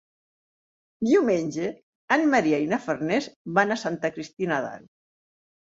Diumenge en Maria i na Farners van a Santa Cristina d'Aro.